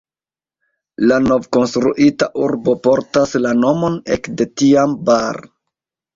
La novkonstruita urbo portas la nomon ekde tiam "Bar".